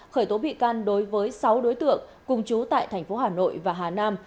khởi tố bị can đối với sáu đối tượng cùng chú tại tp hà nội và hà nam